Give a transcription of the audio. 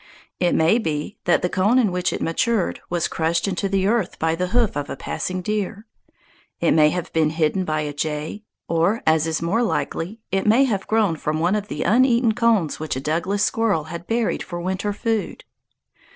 It may be that the cone in which it matured was crushed into the earth by the hoof of a passing deer. It may have been hidden by a jay; or, as is more likely, it may have grown from one of the uneaten cones which a Douglas squirrel had buried for winter food.